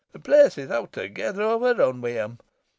The place is awtogether owerrun wi' 'em.